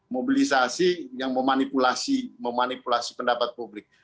mobilisasi yang memanipulasi pendapat publik